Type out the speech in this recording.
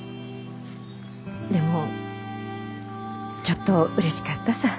でもちょっとうれしかったさぁ。